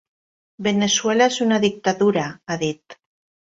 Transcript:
Veneçuela és una dictadura, ha dit.